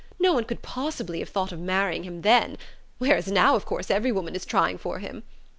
No one could possibly have thought of marrying him then; whereas now of course every woman is trying for him.